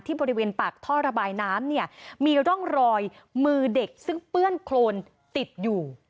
บริเวณปากท่อระบายน้ำเนี่ยมีร่องรอยมือเด็กซึ่งเปื้อนโครนติดอยู่